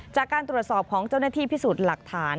จากการตรวจสอบของเจ้าหน้าที่พิสูจน์หลักฐาน